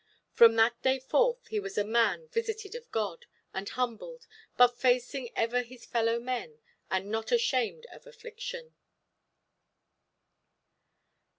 From that day forth he was as a man visited of God, and humbled, but facing ever his fellow–men, and not ashamed of affliction.